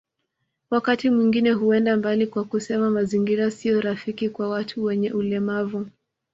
Wakati mwingine huenda mbali kwa kusema mazingira sio rafiki kwa watu wenye ulemavu